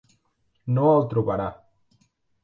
No el trobarà.